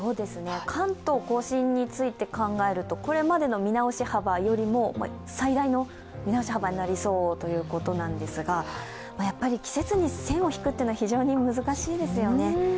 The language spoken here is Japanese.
関東甲信について考えるとこれまでの見直し幅よりも最大の見直し幅になりそうということなんですが、やはり季節に線を引くというのは非常に難しいですよね。